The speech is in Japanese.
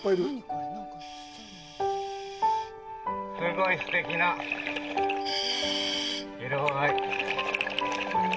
すごいすてきな色合い。